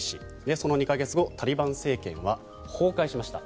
その２か月後タリバン政権は崩壊しました。